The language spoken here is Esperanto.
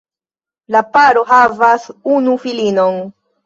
La paro havas unu filinon.